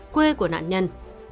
quê của nạn nhân